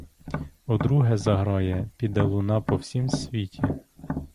Удруге заграє — піде луна по всім світі.